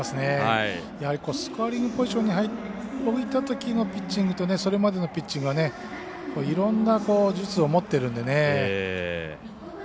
スコアリングポジションに置いたときのピッチングとそれまでのピッチングはいろんな術を持ってるんでね。